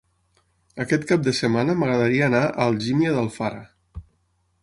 Aquest cap de setmana m'agradaria anar a Algímia d'Alfara.